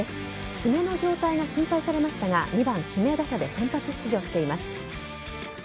爪の状態心配されましたが２番・指名打者で先発出場しています。